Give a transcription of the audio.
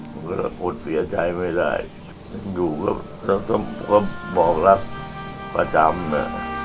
ก็แหละกดเสียใจไม่ได้อยู่ก็ต้องบอกลับประจำ